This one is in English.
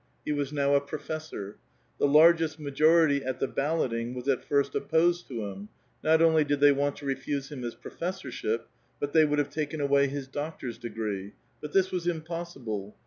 He ^was now a professor. The largest majority at the balloting ^was at first opposed to him ; not only did they want to refuse 'him his professorship, but they would have taken away his doctor's degree ; but this was impossible.